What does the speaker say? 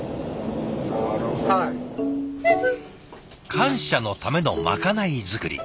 感謝のためのまかない作り。